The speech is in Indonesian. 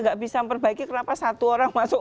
nggak bisa memperbaiki kenapa satu orang masuk